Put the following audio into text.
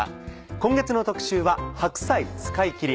今月の特集は「白菜使いきり！」。